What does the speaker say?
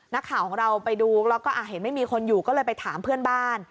นักข่าวของเราไปดูแล้วก็เห็นไม่มีคนอยู่ก็เลยไปถามเพื่อนบ้าน